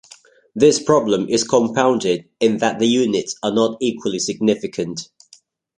This problem is compounded in that the units are not equally significant.